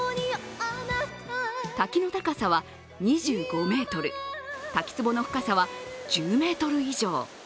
滝の高さは２５ｍ滝つぼの深さは１０ｍ以上。